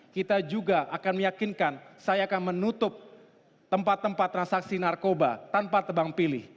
kita juga akan meyakinkan saya akan menutup tempat tempat transaksi narkoba tanpa tebang pilih